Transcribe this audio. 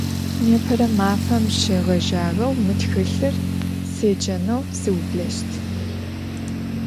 Nêpere mafem şêğejağeu mı txılhır sêceneu sıubleşt.